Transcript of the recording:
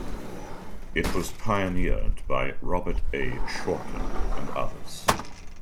It was pioneered by Robert A. Schorton, and others.